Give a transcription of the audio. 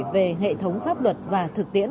về hệ thống pháp luật và thực tiễn